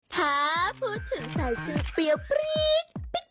ถ้าพูดถึงสายชื่อเปรี้ยวปรี๊ก